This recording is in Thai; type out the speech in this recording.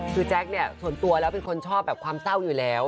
คือแจ๊คเนี่ยส่วนตัวแล้วเป็นคนชอบแบบความเศร้าอยู่แล้ว